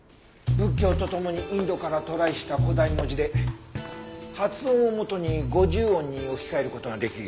仏教とともにインドから渡来した古代文字で発音をもとに５０音に置き換える事ができるよ。